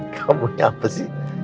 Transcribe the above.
kamu apa sih